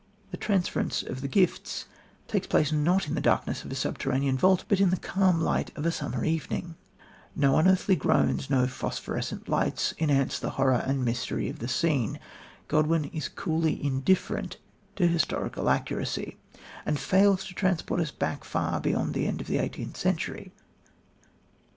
The transference of the gifts takes place not in the darkness of a subterranean vault, but in the calm light of a summer evening. No unearthly groans, no phosphorescent lights enhance the horror and mystery of the scene. Godwin is coolly indifferent to historical accuracy, and fails to transport us back far beyond the end of the eighteenth century.